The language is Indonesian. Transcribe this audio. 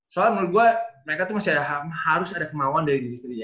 soalnya menurut gue mereka tuh masih harus ada kemauan dari industri ya